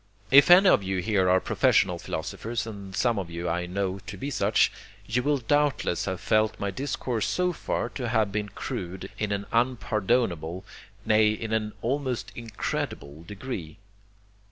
If any of you here are professional philosophers, and some of you I know to be such, you will doubtless have felt my discourse so far to have been crude in an unpardonable, nay, in an almost incredible degree.